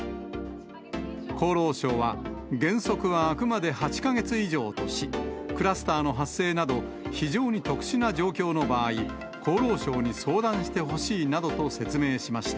厚労省は原則は開くまで８か月以上とし、クラスターの発生など、非常に特殊な状況の場合、功労賞に相談してほしいなどと説明しました。